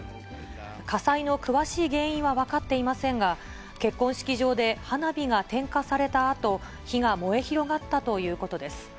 火災の詳しい原因は分かっていませんが、結婚式場で花火が点火されたあと、火が燃え広がったということです。